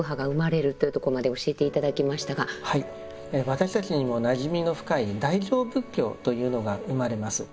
私たちにもなじみの深い大乗仏教というのが生まれます。